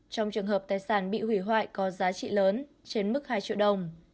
trong trường hợp tài sản bị hủy hoại có giá trị lớn trên mức hai triệu đồng